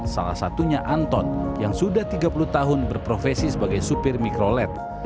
salah satunya anton yang sudah tiga puluh tahun berprofesi sebagai supir mikrolet